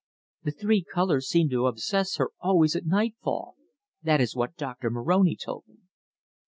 The three colours seem to obsess her always at nightfall. That is what Doctor Moroni told me."